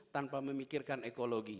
tanpa memikirkan ekologi